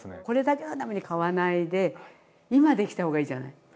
これだけのために買わないで今できた方がいいじゃない？